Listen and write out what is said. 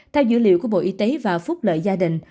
theo dữ liệu của bộ y tế và phúc lợi gia đình